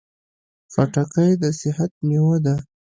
خټکی د صحت مېوه ده.